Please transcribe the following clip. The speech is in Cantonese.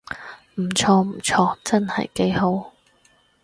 唔錯唔錯，真係幾好